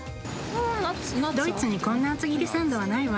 ドイツにこんな厚切りサンドはないわ。